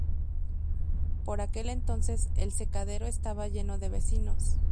Por aquel entonces El Secadero estaba lleno de vecinos.